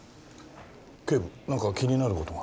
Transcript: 警部なんか気になる事が？